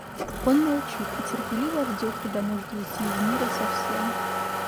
Он молчит и терпеливо ждет, когда может уйти из мира совсем.